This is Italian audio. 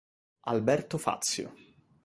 Alberto Fazio